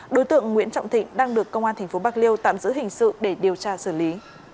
đối tượng nguyễn trọng thịnh đang được công an tp bạc liêu tạm giữ hình sự để điều tra xử lý